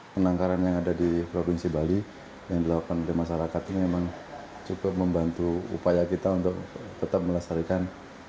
penangkaran yang ada di provinsi bali yang dilakukan oleh masyarakat ini memang cukup membantu upaya kita untuk tetap melestarikan